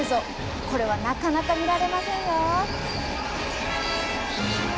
これはなかなか見られませんよ。